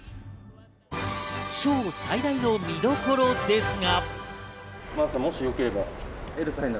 ショー最大の見所ですが。